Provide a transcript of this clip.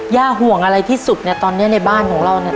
ย่าห่วงอะไรที่สุดตอนนี้ในบ้านเถอะ